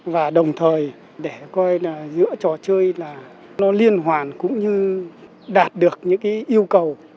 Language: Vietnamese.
và đồng thời để coi là giữa trò chơi là nó liên hoàn cũng như đạt được những cái yêu cầu